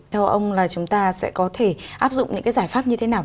theo ông là chúng ta sẽ có thể áp dụng những cái giải pháp như thế nào